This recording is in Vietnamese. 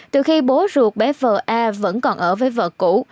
từ khi bố ruột bé vờ a vẫn còn ở với vợ cũ